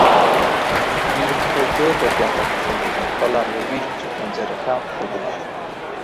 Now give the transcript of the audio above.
بیرم کەوتەوە دەرگاکە قوفڵ بدەم، بەڵام لەبیرم چوو پەنجەرەکان قوفڵ بدەم.